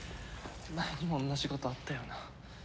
前にも同じことあったような。